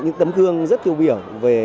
những tấm thương rất tiêu biểu về